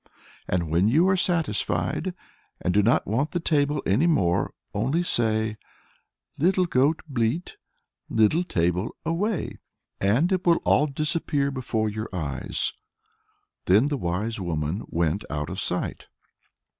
And when you are satisfied and do not want the table any more, only say, 'Little goat, bleat; little table, away,' and it will all disappear before your eyes." Then the wise woman went out of sight.